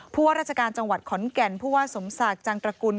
เพราะว่าราชการจังหวัดขอนแก่นพสมศักดิ์จังตรกุล